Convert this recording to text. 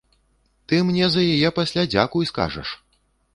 Ты мне за яе пасля дзякуй скажаш!